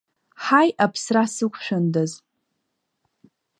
Ҳаи, аԥсра сықәшәандаз!